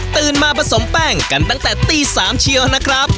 มาผสมแป้งกันตั้งแต่ตี๓เชียวนะครับ